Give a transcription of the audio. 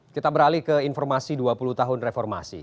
kita beralih ke informasi dua puluh tahun reformasi